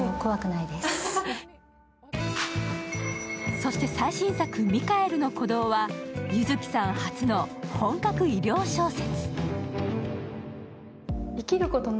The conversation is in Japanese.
そして最新作、「ミカエルの鼓動」は柚月さん初の本格医療小説。